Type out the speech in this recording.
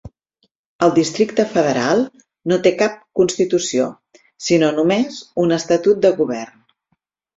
El Districte federal no té cap constitució sinó només un Estatut de govern.